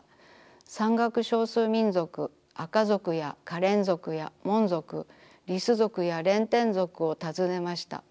山岳少数民族アカ族やカレン族やモン族リス族やレンテン族をたずねました。